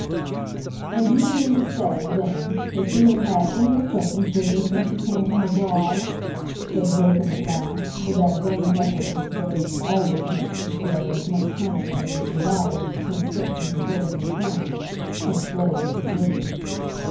"And do you mean to say, then, that you have had any acquaintance with her since you came from abroad?" said Wakem, at last, with that vain effort which rage always makes to throw as much punishment as it desires to inflict into words and tones, since blows are forbidden.